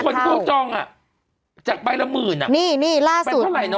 ตอนนี้คนที่เข้าจ้องอ่ะจากไปละหมื่นอ่ะเป็นเท่าไหร่เนอะ